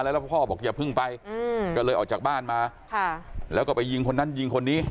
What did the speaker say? แล้วพ่อบอกอย่าเพิ่งไปก็เลยออกจากบ้านมาแล้วก็ไปยิงคนนั้นยิงคนนี้